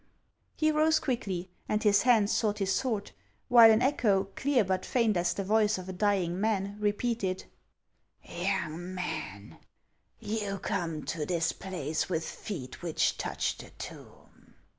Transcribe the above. He rose quickly, aiicl his hand sought his sword, while an echo, clear but faint as the voice of a dying man, repeated: " Young man, you come to this place with feet which touch the tomb."